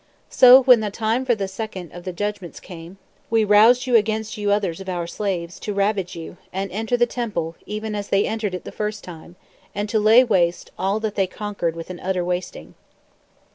So, when the time for the second (of the judgments) came (We roused against you others of Our slaves) to ravage you, and to enter the Temple even as they entered it the first time, and to lay waste all that they conquered with an utter wasting.